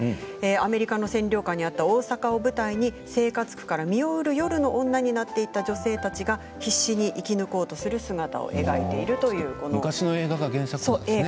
アメリカの占領下にあった大阪を舞台に生活苦から身を売る夜の女になっていった女性たちが必死に生き抜こうとする姿を描いているというもの。